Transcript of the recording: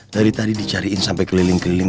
dari tadi dicariin sampai keliling keliling